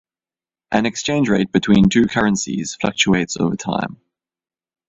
An exchange rate between two currencies fluctuates over time.